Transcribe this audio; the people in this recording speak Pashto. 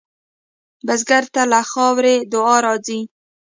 بزګر ته له خاورې دعا راځي